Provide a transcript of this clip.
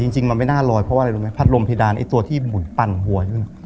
จริงมันไม่น่าลอยเพราะว่าอะไรรู้ไหมพัดลมเพดานไอ้ตัวที่หมุนปั่นหัวอยู่น่ะ